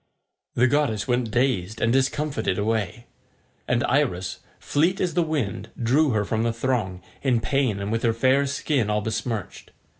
The goddess went dazed and discomfited away, and Iris, fleet as the wind, drew her from the throng, in pain and with her fair skin all besmirched.